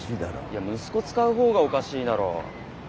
いや息子使う方がおかしいだろ。